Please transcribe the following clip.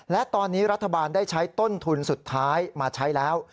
และตอนนี้รัฐบาลได้ใช้ต้นทุนสุดท้ายมาใช้แล้ว